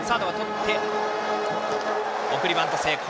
送りバント成功。